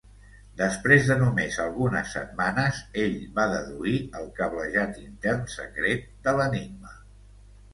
Després de només algunes setmanes, ell va deduir el cablejat intern secret de l'Enigma.